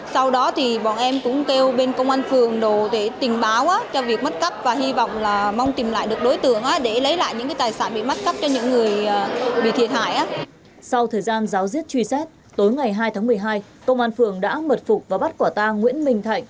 sau thời gian giáo diết truy xét tối ngày hai tháng một mươi hai công an phường đã mật phục và bắt quả tang nguyễn minh thạnh